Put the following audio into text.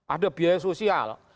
ada biaya sosial